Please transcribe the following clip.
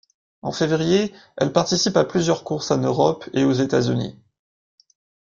En février, elle participe à plusieurs courses en Europe et aux États-Unis.